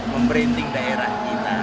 membranding daerah kita